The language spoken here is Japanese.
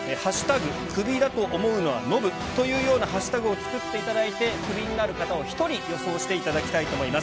クビだと思うのはノブというような＃を作っていただいて、クビになる方を１人、予想していただきたいと思います。